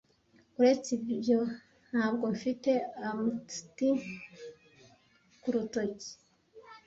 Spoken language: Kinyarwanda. uretse ibyo ntabwo mfite amethyst ku rutoki